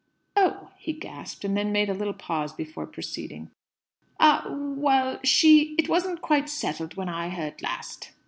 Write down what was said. "Oh!" he gasped, and then made a little pause before proceeding. "Ah, well she it wasn't quite settled when I heard last.